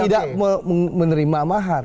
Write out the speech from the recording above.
tidak menerima mahar